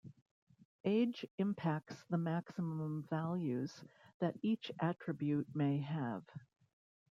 Age impacts the maximum values that each attribute may have.